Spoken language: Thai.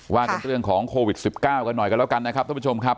ว่ากันเรื่องของโควิด๑๙กันหน่อยกันแล้วกันนะครับท่านผู้ชมครับ